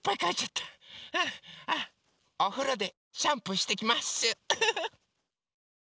おふろでシャンプーしてきます。